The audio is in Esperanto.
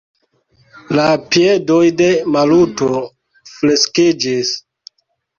La piedoj de Maluto fleksiĝis.